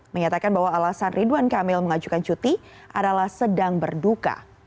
menyatakan bahwa alasan ridwan kamil mengajukan cuti adalah sedang berduka